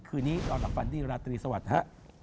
คืนนี้เราหลับฟันที่ราตรีสวัสดิ์ฮะ